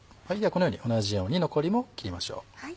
このように同じように残りも切りましょう。